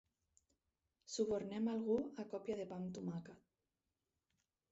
Subornen algú a còpia de pa amb tomàquet.